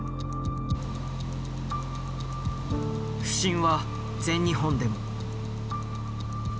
不振は全日本でも。